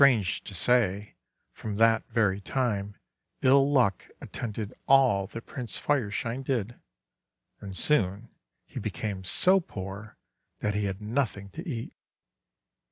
Strange to say, from that very time ill luck attended all that Prince Fireshine did, and soon he became so poor that he had nothing to eat.